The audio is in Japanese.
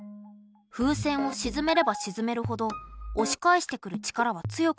風船をしずめればしずめるほどおし返してくる力は強くなる。